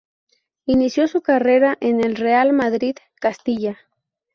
Inició su carrera en el Real Madrid Castilla.